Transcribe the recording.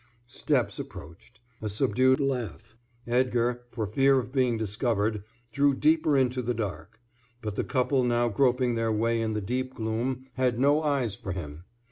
Steps approached. A subdued laugh. Edgar, for fear of being discovered, drew deeper into the dark. But the couple now groping their way in the deep gloom had no eyes for him.